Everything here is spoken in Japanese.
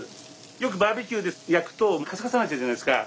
よくバーベキューで焼くとカサカサになっちゃうじゃないですか。